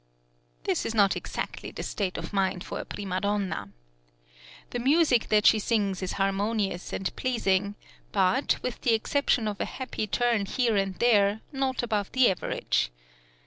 This is not exactly the state of mind for a prima donna. The music that she sings is harmonious and pleasing, but, with the exception of a happy turn here and there, not above the average.